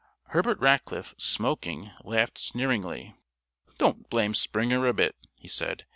Herbert Rackliff, smoking, laughed sneeringly. "Don't blame Springer a bit," he said.